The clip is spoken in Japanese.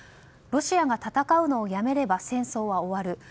ロシアが戦うのをやめれば戦争は終わる。